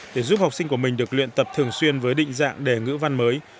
để giúp học sinh của mình được luyện tập thường xuyên với định dạng đề ngữ văn mới